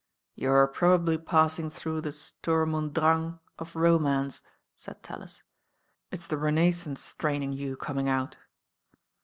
'You're probably passing through the shirm und dratiff of romance," said TaUis. "It's the Renais •ance strain in you coming out."